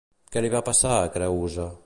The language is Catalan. Què li va passar a Creüsa?